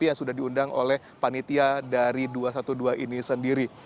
yang sudah diundang oleh panitia dari dua ratus dua belas ini sendiri